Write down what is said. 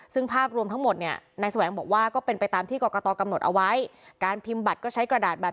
ซึ่งภาพรวมทั้งหมดในสมัยบอกว่าก็เป็นไปตามที่กรกตกำหนดเอาไว้